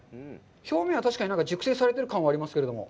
表面は確かに熟成されてる感はありますけれども。